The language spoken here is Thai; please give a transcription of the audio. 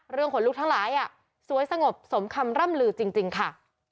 ขนลุกทั้งหลายสวยสงบสมคำร่ำลือจริงค่ะ